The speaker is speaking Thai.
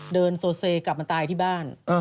เดินโทรเซไอบกลับมาตายที่บ้าน